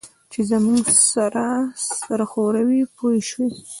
چې زموږ سره سر ښوروي پوه شوې!.